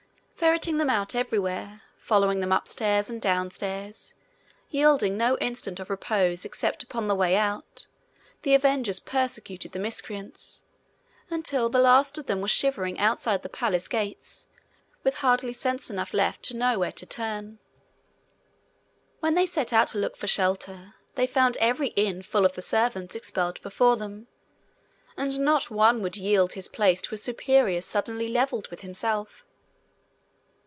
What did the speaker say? Ferreting them out everywhere, following them upstairs and downstairs, yielding no instant of repose except upon the way out, the avengers persecuted the miscreants, until the last of them was shivering outside the palace gates, with hardly sense enough left to know where to turn. When they set out to look for shelter, they found every inn full of the servants expelled before them, and not one would yield his place to a superior suddenly levelled with himself.